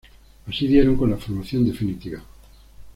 Así dieron con la formación definitiva.